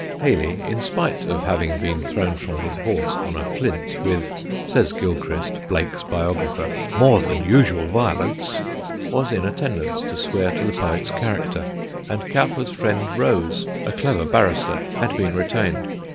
Hayley, in spite of having been thrown from his horse on a flint with, says Gilchrist, Blake's biographer, "more than usual violence" was in attendance to swear to the poet's character, and Cowper's friend Rose, a clever barrister, had been retained.